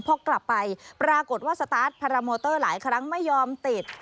พอกลับไปปรากฏว่าสตาร์ทพาราโมเตอร์หลายครั้งไม่ยอมติด